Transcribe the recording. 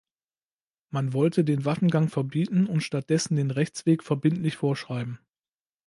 Man wollte den Waffengang verbieten und stattdessen den Rechtsweg verbindlich vorschreiben.